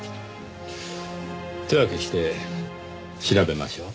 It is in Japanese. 手分けして調べましょう。